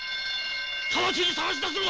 直ちに捜し出すぞ！